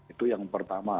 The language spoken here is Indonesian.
itu yang pertama